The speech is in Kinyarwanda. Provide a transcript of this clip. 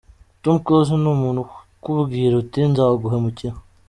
Tom Close ni umuntu ukubwira uti nzaguhemukira.